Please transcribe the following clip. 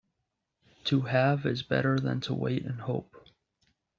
To have is better than to wait and hope.